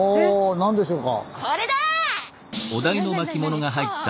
何でしょうか。